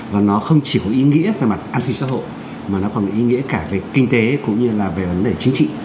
và nó không chỉ có ý nghĩa về mặt an sinh xã hội mà nó còn ý nghĩa cả về kinh tế cũng như là về vấn đề chính trị